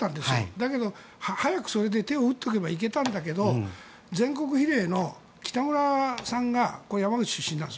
だけど早くそれで手を打っておけば行けたんだけど全国比例のキタムラさんが山口出身なんです。